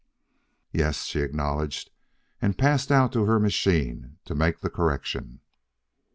"Yes," she acknowledged, and passed out to her machine to make the correction.